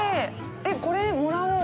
えっ、これ、もらおう。